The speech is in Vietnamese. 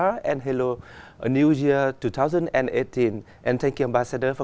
thì anh có thể nói gì về lịch sử của văn hóa indonesia